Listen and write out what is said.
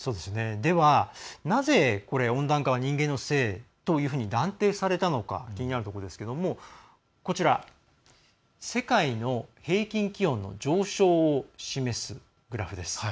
では、なぜ温暖化は人間のせいというふうに断定されたのか気になるところですけれども世界の平均気温の上昇を示すグラフです。